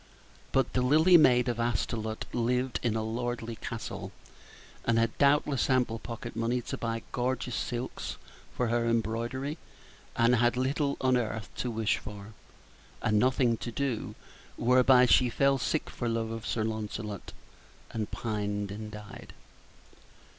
But the lily maid of Astolat lived in a lordly castle, and had doubtless ample pocket money to buy gorgeous silks for her embroidery, and had little on earth to wish for, and nothing to do, whereby she fell sick for love of Sir Lancelot, and pined and died.